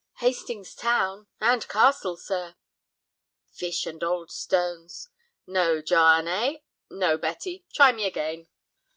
"Hastings Town—and Castle, sir." "Fish and old stones! No, John, eh; no Betty. Try me again."